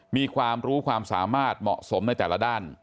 มีความรู้ความสามารถเหมาะสมในแต่ละด้าน